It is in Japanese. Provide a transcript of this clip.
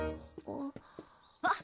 あっ！